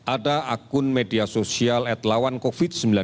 ada akun media sosial atlawan covid sembilan belas